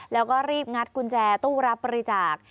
แล้วก็รีบงัดกุญแจตู้รับบริจาค